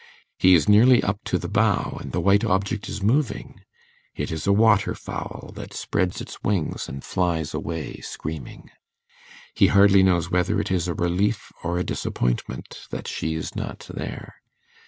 He is nearly up to the bough, and the white object is moving. It is a waterfowl, that spreads its wings and flies away screaming. He hardly knows whether it is a relief or a disappointment that she is not there.